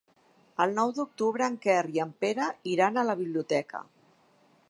El nou d'octubre en Quer i en Pere iran a la biblioteca.